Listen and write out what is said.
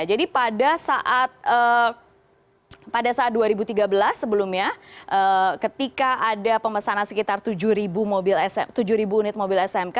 jadi pada saat dua ribu tiga belas sebelumnya ketika ada pemesanan sekitar tujuh unit mobil smk